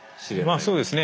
まあそうですね。